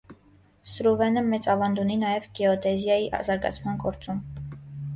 Ստրուվենը մեծ ավանդ ունի նաև գեոդեզիայի զարգացման գործում։